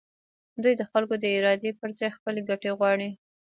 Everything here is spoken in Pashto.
دوی د خلکو د ارادې پر ځای خپلې ګټې غواړي.